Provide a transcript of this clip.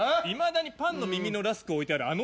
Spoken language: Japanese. いまだにパンの耳のラスク置いて。